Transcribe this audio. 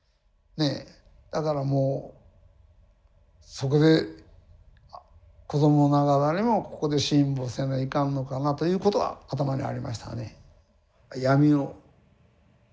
だからもうそこで子どもながらにもここで辛抱せないかんのかなということは頭にありましたね。